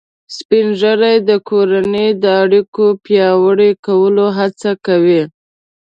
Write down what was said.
سپین ږیری د کورنۍ د اړیکو پیاوړي کولو هڅه کوي